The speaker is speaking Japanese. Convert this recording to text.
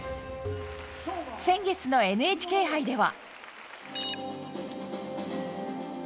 先月のＮＨＫ杯では。